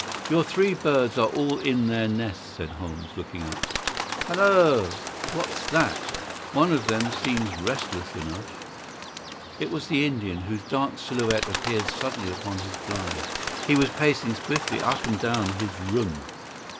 "Your three birds are all in their nests," said Holmes, looking up. "Halloa! What's that? One of them seems restless enough." It was the Indian, whose dark silhouette appeared suddenly upon his blind. He was pacing swiftly up and down his room.